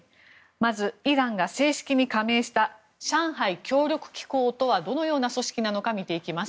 まずはイランが正式に加盟した上海協力機構とはどのような組織なのか見ていきます。